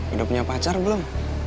udah punya pacar belum